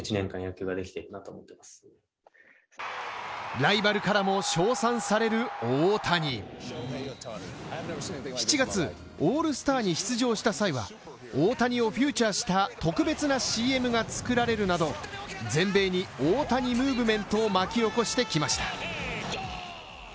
ライバルからも称賛される大谷７月、オールスターに出場した際は、大谷をフィーチャーした特別なＣＭが作られるなど、全米に大谷ムーブメントを巻き起こしてきました。